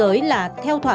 cũng có hiệu lực